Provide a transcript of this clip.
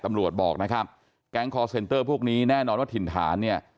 ตำรวจบอกนะครับแก๊งคอร์เซ็นเตอร์พวกนี้แน่นอนว่าถิ่นฐานเนี่ย